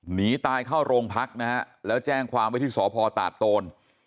หนีตายเข้าโรงพักนะฮะแล้วแจ้งความไว้ที่สพตาดโตน